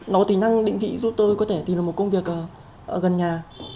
nó tính năng định vị giúp tôi có thể tìm được một công việc gần nhà